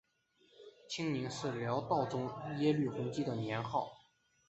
清宁是辽道宗耶律洪基的年号。